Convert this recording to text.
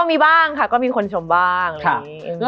มันทำให้ชีวิตผู้มันไปไม่รอด